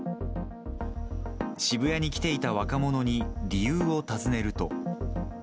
渋谷に来ていた若者に、理由を尋ねると。